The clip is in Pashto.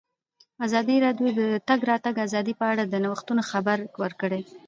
ازادي راډیو د د تګ راتګ ازادي په اړه د نوښتونو خبر ورکړی.